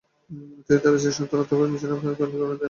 তিনি তার স্ত্রী-সন্তান আর অর্থকড়ি মিশরে প্রেরণ করে দেন।